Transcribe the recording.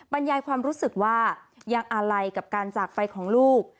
บรรยายความรู้สึกว่ายังอาลัยกับการจากไปของลูก